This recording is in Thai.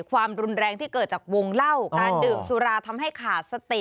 ความรุนแรงที่เกิดจากวงเล่าการดื่มสุราทำให้ขาดสติ